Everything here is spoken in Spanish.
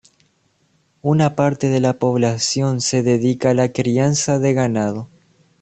Una parte de la población se dedica a la crianza de ganado.